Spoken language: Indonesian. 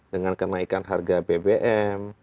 dengan kenaikan harga bbm